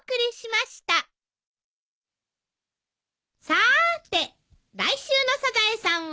さーて来週の『サザエさん』は？